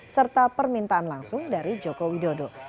serta permintaan langsung dari joko widodo